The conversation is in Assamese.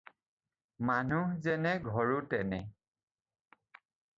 মানুহ যেনে ঘৰো তেনে।